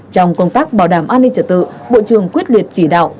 trong công tác bảo đảm an ninh trật tự bộ trưởng quyết liệt chỉ đạo